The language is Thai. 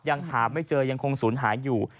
ยังหาไม่เจอยังคงศูนย์หายอยู่